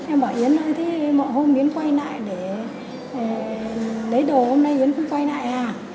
em bảo yến ơi mọi hôm yến quay lại để lấy đồ hôm nay yến cũng quay lại à